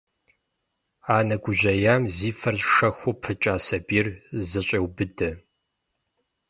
Анэ гужьеям зи фэр шэхуу пыкӏа сабийр зэщӏеубыдэ.